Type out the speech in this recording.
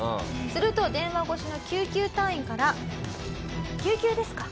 すると電話越しの救急隊員から「救急ですか？